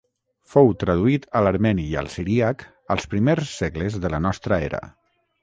Fou traduït a l'armeni i al siríac als primers segles de la nostra era.